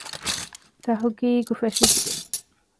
ތަހުޤީޤު ފެށިއްޖެ